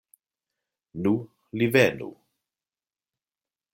Nu, li venu.